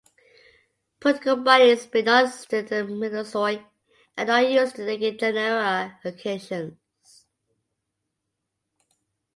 Political bodies, being non-existent in the Mesozoic are not used to indicate genera locations.